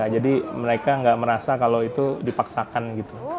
jadi mereka nggak merasa kalau itu dipaksakan gitu